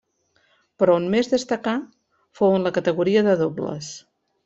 Però on més destacà fou en la categoria de dobles.